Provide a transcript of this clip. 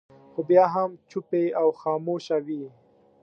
خو بیا هم چوپې او خاموشه وي.